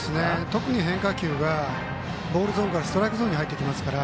特に変化球がボールゾーンからストライクゾーンに入ってきますから。